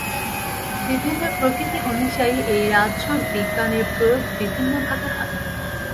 বিভিন্ন প্রকৃতি অনুযায়ী এই রাজযোগ-বিজ্ঞানের প্রয়োগ বিভিন্নভাবে হয়।